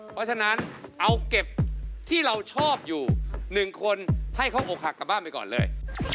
เพราะฉะนั้นเอาเก็บที่เราชอบอยู่๑คนให้เขาอกหักกลับบ้านไปก่อนเลย